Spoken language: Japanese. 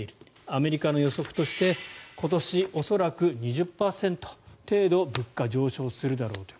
アメリカの予測として今年恐らく２０％程度物価が上昇するだろうと。